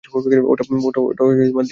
ওটা দিয়ে দাও!